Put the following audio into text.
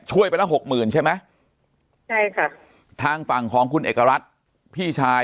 ไปละหกหมื่นใช่ไหมใช่ค่ะทางฝั่งของคุณเอกรัฐพี่ชาย